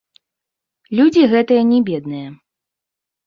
Людзі гэтыя не бедныя.